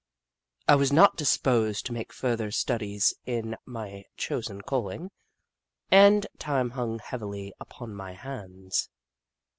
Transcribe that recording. I was not disposed to make further studies in my chosen calling, and time hung heavily upon my hands.